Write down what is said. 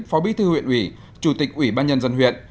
phó bí thư huyện ủy chủ tịch ủy ban nhân dân huyện